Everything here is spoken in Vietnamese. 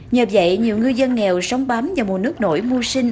nhờ vậy nhiều ngư dân nghèo sống bám vào mùa nước nổi mua sinh